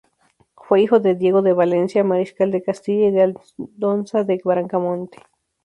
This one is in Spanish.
Fue hijo de Diego de Valencia, mariscal de Castilla, y de Aldonza de Bracamonte.